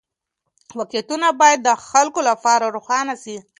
واقعيتونه بايد د خلګو لپاره روښانه سي.